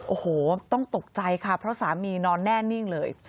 โอ้โหต้องตกใจค่ะเพราะสามีนอนแน่นิ่งเลย